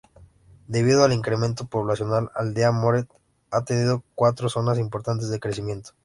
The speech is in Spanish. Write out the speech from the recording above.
Debido al incremento poblacional, Aldea Moret ha tenido cuatro zonas importante de crecimiento.